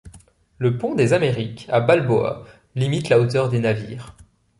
Le pont des Amériques à Balboa limite la hauteur des navires.